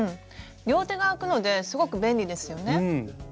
両手が空くのですごく便利ですよね。